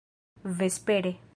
vespere